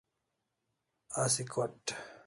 Asi kot